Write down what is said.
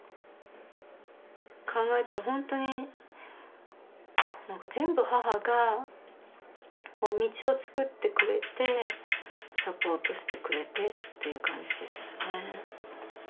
考えたら本当に何か全部母が道をつくってくれてサポートしてくれてっていう感じでしたよね。